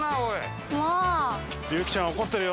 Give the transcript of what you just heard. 有紀ちゃん怒ってるよ。